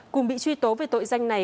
cùng bị truy tố về tội danh này